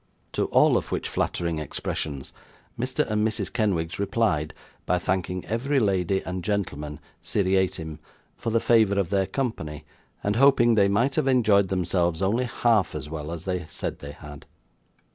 To all of which flattering expressions, Mr. and Mrs. Kenwigs replied, by thanking every lady and gentleman, SERIATIM, for the favour of their company, and hoping they might have enjoyed themselves only half as well as they said they had.